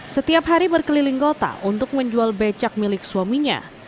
setiap hari berkeliling kota untuk menjual becak milik suaminya